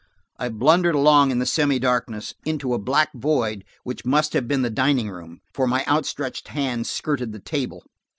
I blundered along in the semi darkness, into a black void which must have been the dining room, for my out stretched hand skirted the table.